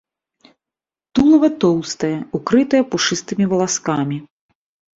Тулава тоўстае, укрытае пушыстымі валаскамі.